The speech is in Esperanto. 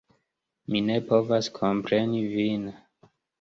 Mi ne povas kompreni vin.